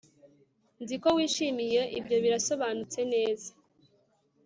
nzi ko wishimiye ibyo birasobanutse neza